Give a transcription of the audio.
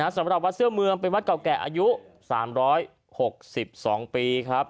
สำหรับวัดเสื้อเมืองเป็นวัดเก่าแก่อายุ๓๖๒ปีครับ